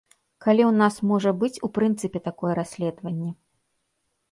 Калі ў нас можа быць у прынцыпе такое расследаванне.